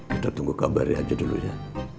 kita tunggu kabarnya aja dulu ya